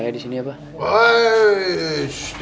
pernah kasih balik